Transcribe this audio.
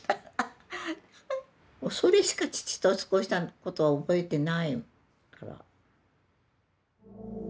もうそれしか父と過ごしたことは覚えてないから。